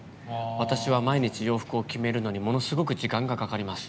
私は、洋服を決めるのにすごく時間がかかります。